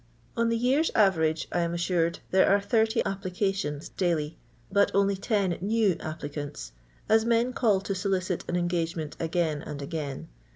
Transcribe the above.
On the year's average, I am assure€, there are 80 applications daily, but only ten new applicants, as men call to solicit nn engagement again and again.